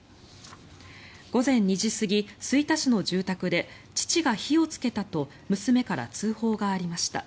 午前２時過ぎ、吹田市の住宅で父が火をつけたと娘から通報がありました。